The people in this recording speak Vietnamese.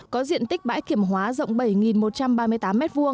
có diện tích bãi kiểm hóa rộng bảy một trăm ba mươi tám m hai